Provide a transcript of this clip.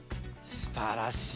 すばらしい。